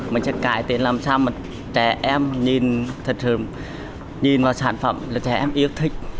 mình sẽ cải tiến làm sao mà trẻ em nhìn thật hơn nhìn vào sản phẩm là trẻ em yêu thích